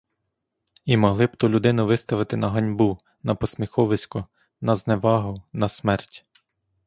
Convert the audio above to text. І могли б ту людину виставити на ганьбу, на посміховисько, на зневагу, на смерть.